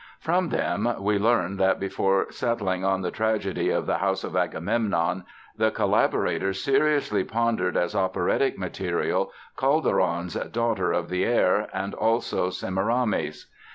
From them we learn that before settling on the tragedy of the house of Agamemnon the collaborators seriously pondered as operatic material Calderon's Daughter of the Air and also Semiramis.